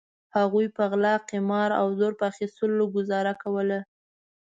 هغوی په غلا قمار او زور په اخیستلو ګوزاره کوله.